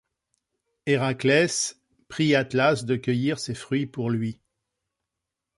Héraclès prie Atlas de cueillir ces fruits pour lui.